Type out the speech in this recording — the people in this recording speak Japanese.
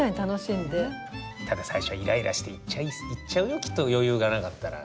ただ最初はイライラして言っちゃうよきっと余裕がなかったら。